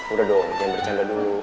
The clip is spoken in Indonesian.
udah dong pengen bercanda dulu